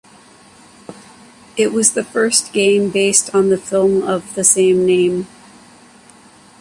It was the first game based on the film of the same name.